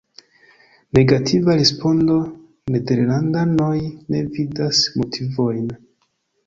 Negativa respondo- nederlandanoj ne vidas motivojn.